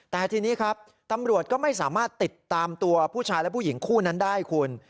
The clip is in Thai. แต่ทีนี้ครับตำรวจก็ไม่สามารถติดตามตัวผู้ชายและผู้หญิงคู่นั้นได้คุณ